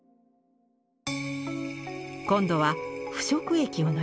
今度は腐食液を塗ります。